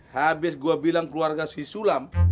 habis gue bilang keluarga si sulam